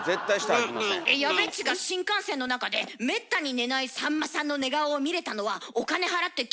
えっやべっちが新幹線の中でめったに寝ないさんまさんの寝顔を見れたのはお金払って切符買ったからでしょ？